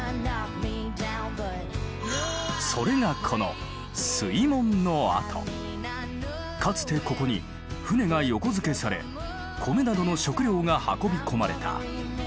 それがこのかつてここに船が横付けされ米などの食料が運び込まれた。